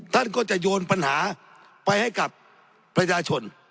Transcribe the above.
ท่านก็จะโยนปัญหาไปให้กับประชาชน